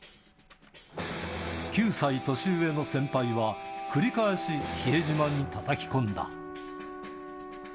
９歳年上の先輩は、繰り返し、比江島にたたき込んだ。